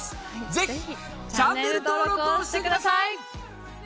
ぜひチャンネル登録をしてください！